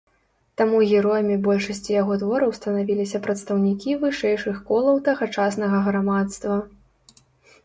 Таму героямі большасці яго твораў станавіліся прадстаўнікі вышэйшых колаў тагачаснага грамадства.